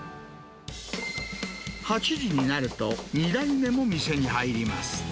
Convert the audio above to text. ８時になると、２代目も店に入ります。